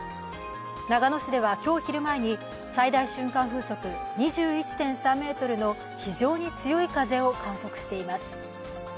長野市では今日昼前に最大瞬間風速２１．３メートルの非常に強い風を観測しています。